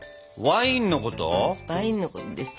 ワインのことです。